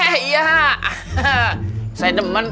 hati hati di jalan